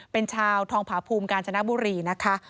เป็นชาวทองผาภูมิกาญจนบุรีนะคะ